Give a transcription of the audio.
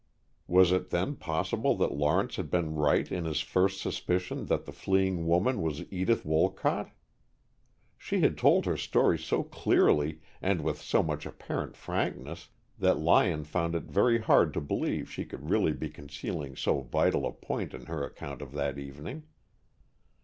Was it then possible that Lawrence had been right in his first suspicion that the fleeing woman was Edith Wolcott? She had told her story so clearly and with so much apparent frankness that Lyon found it very hard to believe she could really be concealing so vital a point in her account of that evening.